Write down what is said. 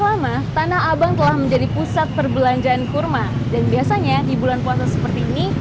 lama tanah abang telah menjadi pusat perbelanjaan kurma dan biasanya di bulan puasa seperti ini